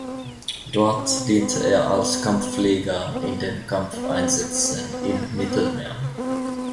Dort diente er als Kampfflieger in den Kampfeinsätzen im Mittelmeer.